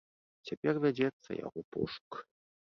Цяпер вядзецца яго пошук.